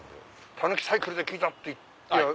タヌキサイクルで聞いたって言えば。